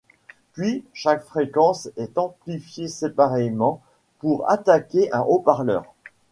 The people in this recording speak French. Puis chaque fréquence est amplifiée séparément pour attaquer un haut-parleur.